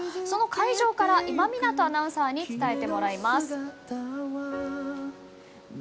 その会場から今湊アナウンサーに伝えてもらいます。